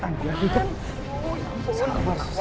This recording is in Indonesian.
semoga padahal serta mobilize